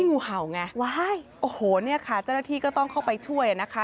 งูเห่าไงว้ายโอ้โหเนี่ยค่ะเจ้าหน้าที่ก็ต้องเข้าไปช่วยนะคะ